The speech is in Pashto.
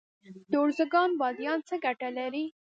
د ارزګان بادیان څه ګټه لري؟